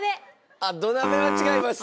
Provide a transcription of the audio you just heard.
あっ土鍋は違います。